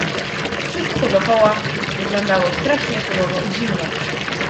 "Wszystko dokoła wyglądało strasznie surowo i zimno."